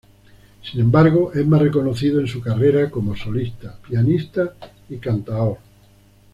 Sin embargo, es más reconocido en su carrera como solista, pianista y cantaor.